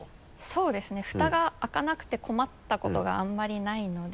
そうですねフタが開かなくて困ったことがあんまりないので。